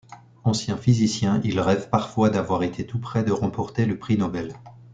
Ancien physicien, il rêve parfois d'avoir été tout près de remporter le prix Nobel.